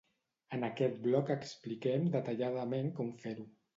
En aquest blog expliquen detalladament com fer-ho.